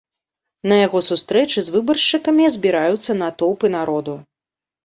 На яго сустрэчы з выбаршчыкамі збіраюцца натоўпы народу.